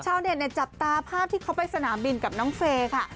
ชาวเน็ตเนี่ยจับตาภาพที่เขาไปสนามบินกับน้องเฟย์ค่ะ